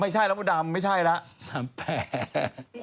ไม่ใช่แล้วมดดำไม่ใช่แล้ว